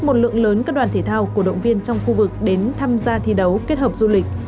một lượng lớn các đoàn thể thao cổ động viên trong khu vực đến tham gia thi đấu kết hợp du lịch